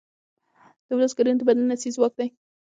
د ولس ګډون د بدلون اصلي ځواک دی